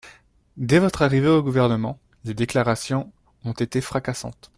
Dès votre arrivée au Gouvernement, les déclarations ont été fracassantes.